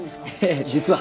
ええ実は。